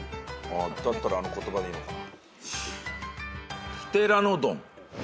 だったらあの言葉でいいのかな？